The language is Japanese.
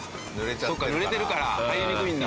そっか濡れてるから入りにくいんだ。